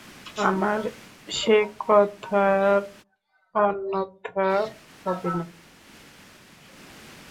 আমার সে কথার অন্যথা হবে না।